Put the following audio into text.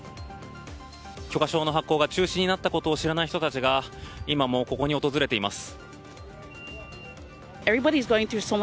許可証の発行が中止になったことを知らない人たちが今もここに訪れています。